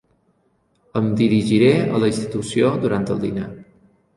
Em dirigiré a la institució durant el dinar.